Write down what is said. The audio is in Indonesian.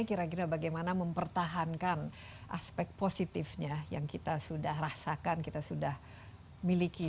kira kira bagaimana mempertahankan aspek positifnya yang kita sudah rasakan kita sudah miliki